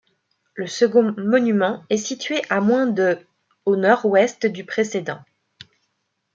Le second monument est situé à moins de au nord-ouest du précédent.